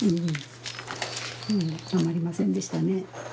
たまりませんでしたね。